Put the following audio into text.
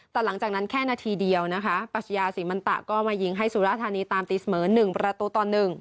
แต่หลังจากนั้นแค่นาทีเดียวนะคะปัชยาศรีมันตะก็มายิงให้สุราธานีตามตีเสมอ๑ประตูต่อ๑